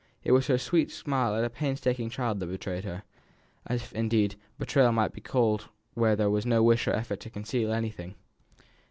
It was her sweet smile at a painstaking child that betrayed her if, indeed, betrayal it might be called where there was no wish or effort to conceal anything.